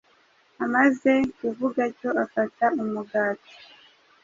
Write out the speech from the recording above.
Amaze kuvuga atyo afata umugati,